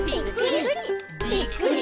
ぴっくり！